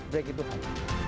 break itu hak